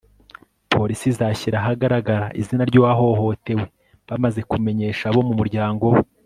Polisi izashyira ahagaragara izina ryuwahohotewe bamaze kumenyesha abo mu muryango we